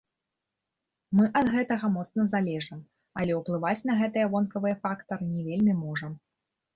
Мы ад гэтага моцна залежым, але ўплываць на гэтыя вонкавыя фактары не вельмі можам.